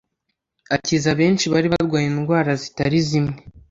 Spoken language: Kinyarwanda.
Akiza benshi bari barwaye indwara zitari zimwe